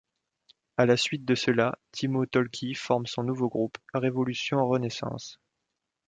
À la suite de cela, Timo Tolkki forme son nouveau groupe, Revolution Renaissance.